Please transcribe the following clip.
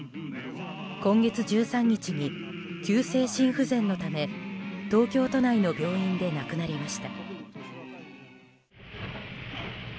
今月１３日に急性心不全のため東京都内の病院で亡くなりました。